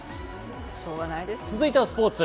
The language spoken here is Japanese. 続いてはスポーツ。